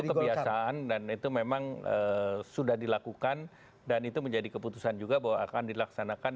itu kebiasaan dan itu memang sudah dilakukan dan itu menjadi keputusan juga bahwa akan dilaksanakan